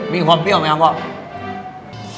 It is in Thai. มีความเปรี้ยวไหมครับพ่อ